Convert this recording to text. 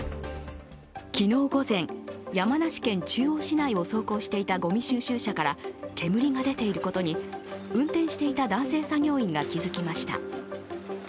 昨日午前、山梨県中央市を走行していたごみ収集車から火が出ていることに運転していた男性作業員が気づきました。